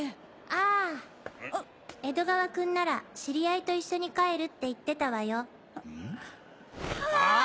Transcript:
あぁ江戸川君なら知り合いと一緒に帰るって言ってたわよ。